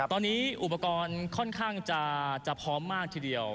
ตอนนี้อุปกรณ์ค่อนข้างจะพร้อมมากทีเดียว